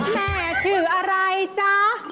แม่ชื่ออะไรจ๊ะ